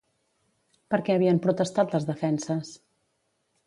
Per què havien protestat les defenses?